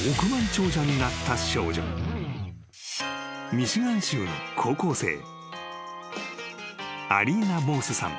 ［ミシガン州の高校生アリーナ・モースさん。